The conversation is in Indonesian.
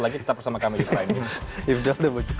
kita bersama kami di lainnya